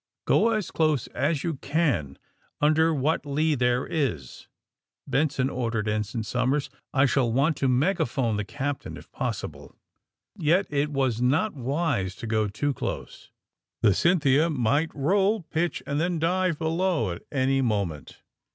^^ Go as close as you can, under what lee there is," Benson ordered Ensign Somers. ^^I shall want to megaphone the captain, if possible." Yet it was not wise to go too close. The *' Cynthia" might roll, pitch and then dive be low at any moment.